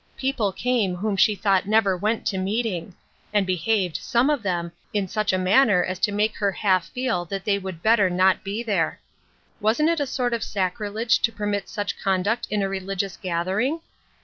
People came whom she thought never went to meeting ; and behaved, some of them, in such a manner as to make her half feel that they would better not be there. Wasn't it a sort of sacrilege to permit such con duct in a religious gathering